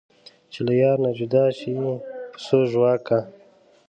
چې له یاره نه جدا شي پسو ژواک کا